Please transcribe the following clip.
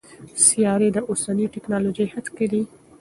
سیارې د اوسني ټکنالوژۍ حد کې دي.